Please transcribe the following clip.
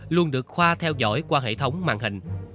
luôn được khoa theo dõi qua hệ thống màn hình